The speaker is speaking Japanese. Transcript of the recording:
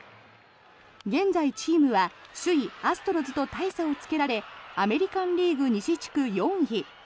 現在、チームは首位アストロズと大差をつけられアメリカン・リーグ西地区４位。